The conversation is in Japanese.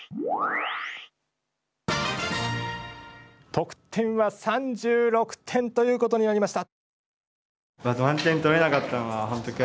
得点は３６点ということになりました。